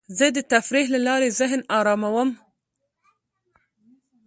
زه د تفریح له لارې ذهن اراموم.